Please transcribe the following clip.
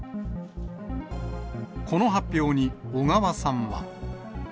この発表に小川さんは。